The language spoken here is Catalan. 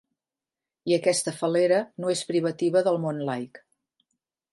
I aquesta fal·lera no és privativa del món laic.